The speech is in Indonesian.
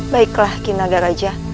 baiklah kinaga raja